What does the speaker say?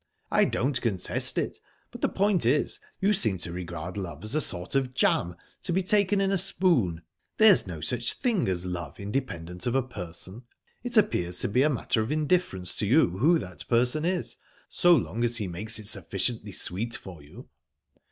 "I don't contest it. But the point is, you seem to regard love as a sort of jam, to be taken in a spoon. There's no such thing as love independent of a person. It appears to be a matter of indifference to you who that person is, so long as he makes it sufficiently sweet for you."